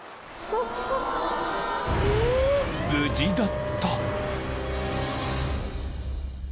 ［無事だった］